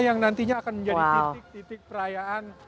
yang nantinya akan menjadi titik titik perayaan